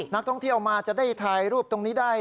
นักท่องเที่ยวมาจะได้ถ่ายรูปตรงนี้ได้